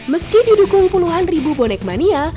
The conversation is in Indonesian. meski didukung puluhan ribu bonek mania